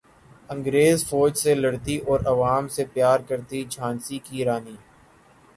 انگریز فوج سے لڑتی اور عوام سے پیار کرتی جھانسی کی رانی